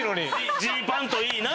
ジーパンといいな！